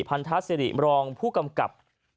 พันทัศน์สิริบรองผู้กำกับ